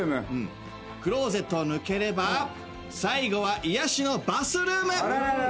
クローゼットを抜ければ最後は癒やしのバスルーム！